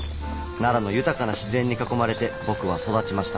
奈良の豊かな自然に囲まれて僕は育ちました。